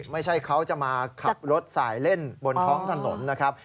ไม่ใช่เขาจะมาขับรถสายเล่นบนท้องถนนนะครับ